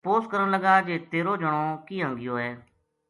تپوس کرن لگا جی تیرو جنو کیناں گیو ہے